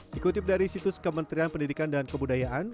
dikutip dari situs kementerian pendidikan dan kebudayaan